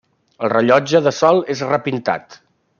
El rellotge de sol és repintat.